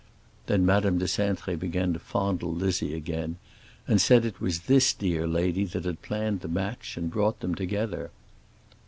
Then Madame de Cintré began to fondle Lizzie again, and said it was this dear lady that had planned the match and brought them together.